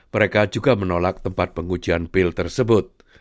mereka juga menolak tempat pengujian pil tersebut